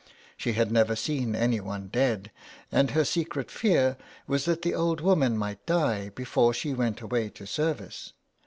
She had never seen anyone dead, and her secret fear was that the old woman might die before she went away to service.